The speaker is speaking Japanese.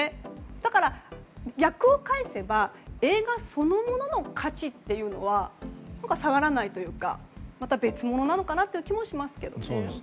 だから、逆を返せば映画そのものの価値っていうのは下がらないというか別物なのかなという気もしますけどね。